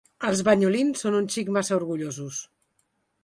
Els Banyolins són un xic massa orgullosos.